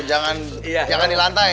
jangan di lantai